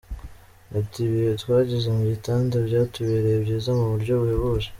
Bati “ Ibihe twagize mu gitanda byatubereye byiza mu buryo buhebuje.